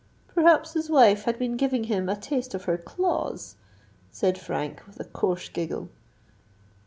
"Perhaps his wife had been giving him a taste of her claws?" said Frank, with a coarse giggle.